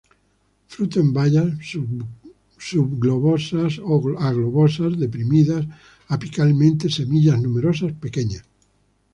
Frutos en bayas, subglobosas a globosas, deprimidas apicalmente; semillas numerosas, pequeñas.